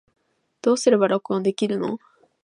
どうすれば録音できるの